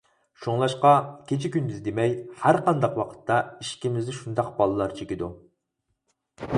شۇڭلاشقا، كېچە-كۈندۈز دېمەي، ھەرقانداق ۋاقىتتا ئىشىكىمىزنى شۇنداق بالىلار چېكىدۇ.